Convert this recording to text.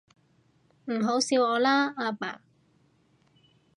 唔好笑我啦，阿爸